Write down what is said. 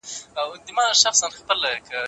نوی شعر ځینې وختونه چوکاټ نه لري.